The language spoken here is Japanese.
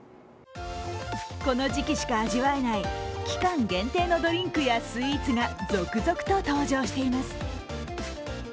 この時期しか味わえない期間限定のドリンクやスイーツが続々と登場しています。